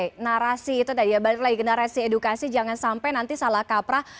generasi itu dari generasi edukasi jangan sampai nanti salah kaprah